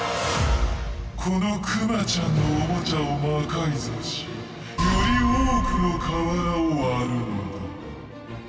このクマちゃんのオモチャを魔改造しより多くの瓦を割るのだ。